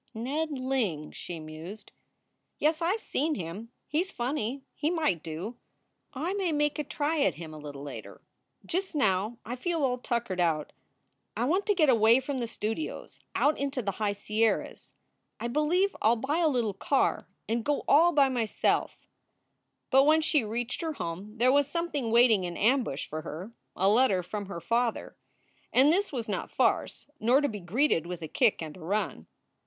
"Ned Ling," she mused. "Yes, I ve seen him. He s funny. He might do. I may make a try at him a little later. Just now I feel all tuckered out. I want to get away from the studios, out into the high sierras. I believe I ll buy a little car and go all by myself." SOULS FOR SALE 321 But when she reached her home there was something waiting in ambush for her a letter from her father. And this was not farce, nor to be greeted with a kick and a run.